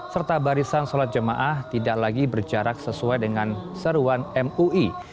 serta barisan sholat jemaah tidak lagi berjarak sesuai dengan seruan mui